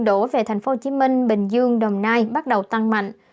đổ về tp hcm bình dương đồng nai bắt đầu tăng mạnh